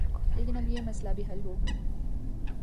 لیکن اب یہ مسئلہ بھی حل ہوگی